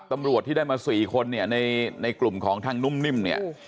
ตำรวจที่ได้มา๔คนเนี่ยในกลุ่มของทางนุ่มนิ่มเนี่ย